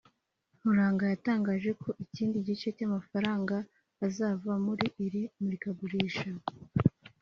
Nkuranga yatangaje ko ikindi gice cy’amafaranga azava muri iri murikagurisha